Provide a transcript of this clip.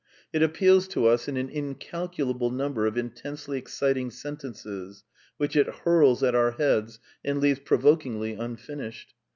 It appeals to us in an incalculable number of intensely exciting sentences, which it hurls at our heads and leaves provokingly unfinished.